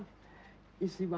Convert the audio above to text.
istri bapak sudah berubah